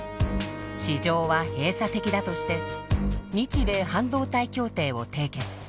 市場は閉鎖的だとして日米半導体協定を締結。